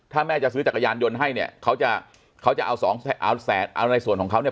ถ้าแม่จะซื้อจักรยานยนต์ให้เนี่ยเขาจะเขาจะเอาสองเอาในส่วนของเขาเนี่ย